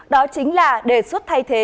đó chính là đề xuất thay thế